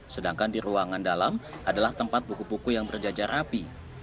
sedangkan di ruangan dalam adalah tempat buku buku yang berjajar rapi